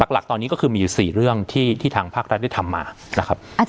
หลักตอนนี้ก็คือมีอยู่๔เรื่องที่ทางภาครัฐได้ทำมานะครับ